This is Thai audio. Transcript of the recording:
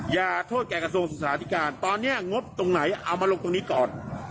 อย่าโทษแก่กระทรวงศึกษาธิการตอนนี้งบตรงไหนเอามาลงตรงนี้ก่อน